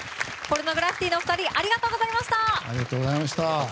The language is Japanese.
ポルノグラフィティのお二人ありがとうございました。